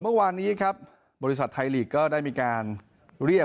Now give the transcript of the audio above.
เมื่อวานนี้ครับบริษัทไทยลีกก็ได้มีการเรียก